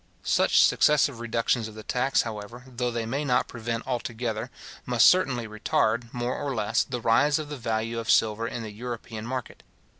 Such successive reductions of the tax, however, though they may not prevent altogether, must certainly retard, more or less, the rise of the value of silver in the European market.